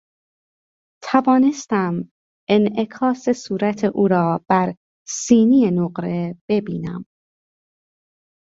توانستم انعکاس صورت او را بر سینی نقره ببینم.